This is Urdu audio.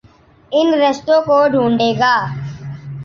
ان رستوں کو ڈھونڈے گا۔